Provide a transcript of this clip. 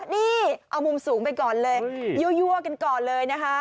นี่เอามุมสูงไปก่อนเลยยั่วกันก่อนเลยนะคะ